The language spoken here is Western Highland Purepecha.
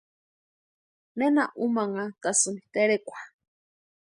¿Nena umanhantasïni terekwa?